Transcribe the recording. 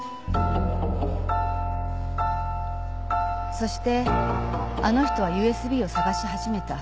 そしてあの人はＵＳＢを捜し始めた。